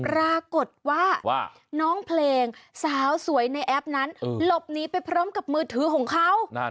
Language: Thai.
ปรากฏว่าน้องเพลงสาวสวยในแอปนั้นหลบหนีไปพร้อมกับมือถือของเขา